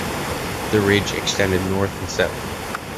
The ridge extended north and south.